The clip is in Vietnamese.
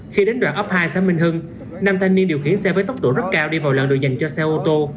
khi đến đoạn ấp hai xã minh hưng năm thanh niên điều khiển xe với tốc độ rất cao đi vào loạn đồ dành cho xe ô tô